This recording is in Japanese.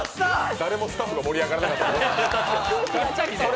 誰もスタッフが盛り上がらなかった。